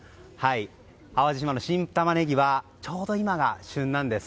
淡路島の新タマネギはちょうど今が旬なんです。